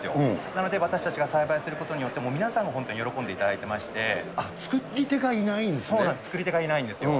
なので、私たちが栽培することによって、皆さんに本当に喜んでいただいて作り手がいないんですね。